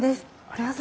どうぞ。